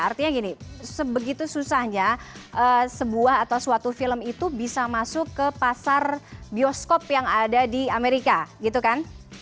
artinya gini sebegitu susahnya sebuah atau suatu film itu bisa masuk ke pasar bioskop yang ada di amerika gitu kan